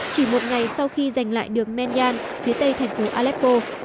chỉ một ngày sau khi giành lại được menyan phía tây thành phố aleppo